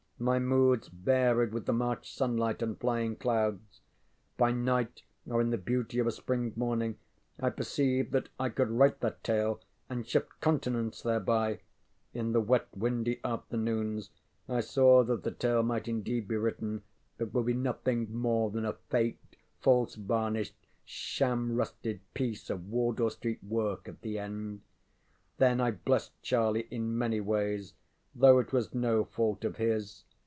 My moods varied with the March sunlight and flying clouds. By night or in the beauty of a spring morning I perceived that I could write that tale and shift continents thereby. In the wet, windy afternoons, I saw that the tale might indeed be written, but would be nothing more than a faked, false varnished, sham rusted piece of Wardour Street work at the end. Then I blessed Charlie in many ways though it was no fault of his.